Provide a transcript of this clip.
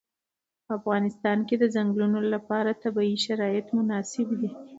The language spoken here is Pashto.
په افغانستان کې د ځنګلونه لپاره طبیعي شرایط مناسب دي.